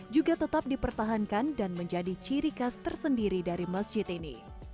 juga tetap dipertahankan dan menjadi ciri khas tersendiri dari masjid ini